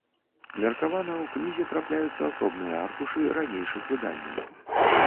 Меркавана ў кнізе трапляюцца асобныя аркушы ранейшых выданняў.